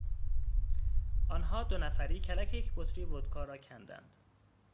آنها دو نفری کلک یک بطری ودکا را کندند.